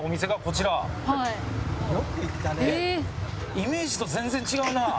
イメージと全然違うな。